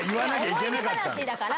思い出話だから。